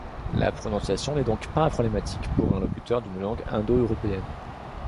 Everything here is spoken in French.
La prononciation n'est donc pas problématique pour un locuteur d'une langue indo-européenne.